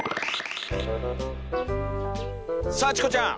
さあチコちゃん！